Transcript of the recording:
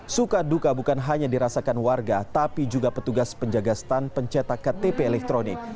suka duka bukan hanya dirasakan warga tapi juga petugas penjaga stand pencetak ktp elektronik